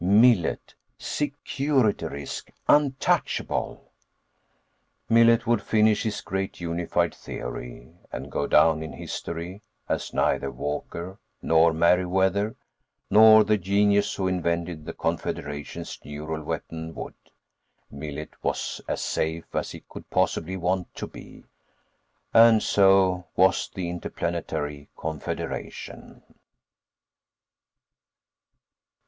Millet. Security risk. Untouchable. Millet would finish his great unified theory, and go down in history as neither Walker nor Meriwether nor the genius who invented the Confederation's neural weapon would. Millet was as safe as he could possibly want to be. And so was the Interplanetary Confederation.